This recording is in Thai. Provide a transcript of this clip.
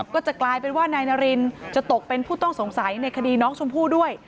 ก็จะกลายเป็นว่านายนารินจะตกเป็นผู้ต้องสงสัยในคดีน้องชมพู่ด้วย